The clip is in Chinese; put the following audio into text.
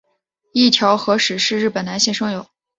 一条和矢是日本男性声优。